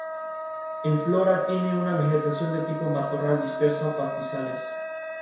Ha viajado por varios países, incluyendo Turquía, China y partes de Rusia.